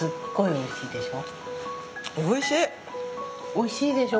おいしいでしょ？